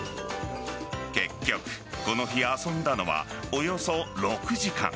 結局この日、遊んだのはおよそ６時間。